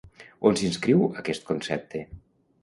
On s'inscriu aquest concepte?